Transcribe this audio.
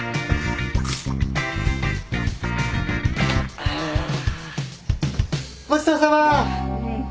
あごちそうさま。